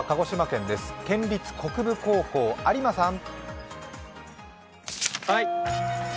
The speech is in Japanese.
県立国分高校有馬さん！